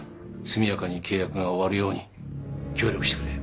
速やかに契約が終わるように協力してくれ。